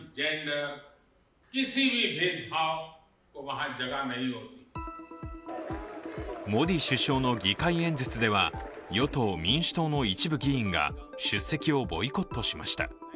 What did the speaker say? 会見ではモディ首相の議会演説では与党・民主党の一部議員が出席をボイコットしました。